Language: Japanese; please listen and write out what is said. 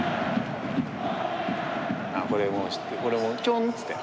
あこれもう知ってる。